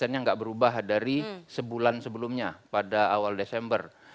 delapan nya enggak berubah dari sebulan sebelumnya pada awal desember